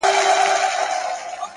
• د لاسونو په پياله کې اوښکي راوړې ـ